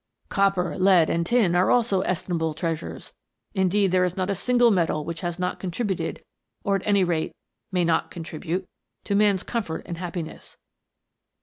" Copper, lead, and tin, are also estimable trea sures ; indeed, there is not a single metal which has not contributed, or at any rate may not con tribute, to man's comfort and happiness.